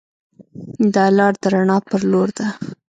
دا لار د رڼا پر لور ده.